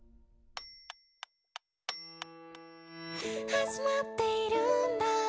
「始まっているんだ